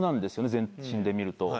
全身で見ると。